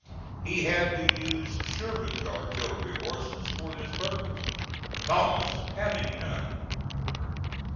He had to use Sherman's artillery horses for this purpose, Thomas having none.